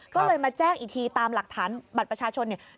ก็เลยมาแจ้งอีกทีตามหลักฐานบัตรประชาชนเนี่ย